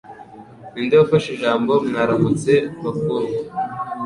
Ninde wafashe ijambo "Mwaramutse Bakundwa"?